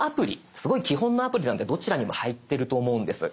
すごい基本のアプリなんでどちらにも入ってると思うんです。